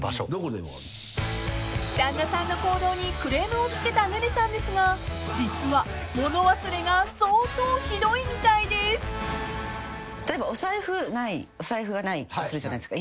［旦那さんの行動にクレームをつけた寧々さんですが実は物忘れが相当ひどいみたいです］とするじゃないですか